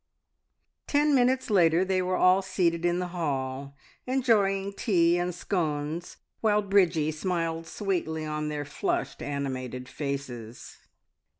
Ten minutes later they were all seated in the hall enjoying tea and scones, while Bridgie smiled sweetly on their flushed, animated faces.